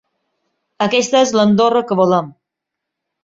Aquesta és l’Andorra que volem.